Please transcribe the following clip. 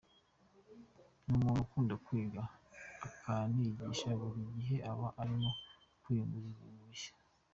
Ni umuntu ukunda kwiga akaniyigisha, buri gihe aba arimo kwiyungura ibintu bishya.